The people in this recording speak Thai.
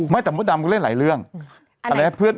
เป็นการกระตุ้นการไหลเวียนของเลือด